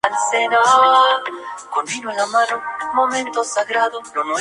Este concepto se denomina "Singularidad Mitocondrial".